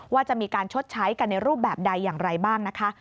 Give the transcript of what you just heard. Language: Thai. ว่าจะมีการชดใช้กันในรูปแบบใดอย่างไรบ้างนะคะ